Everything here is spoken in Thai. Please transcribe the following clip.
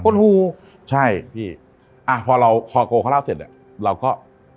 หูใช่พี่อ่ะพอเราคอโกเขาเล่าเสร็จเนี้ยเราก็